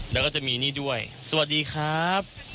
แล้วก็จะมีนี่ด้วยสวัสดีครับ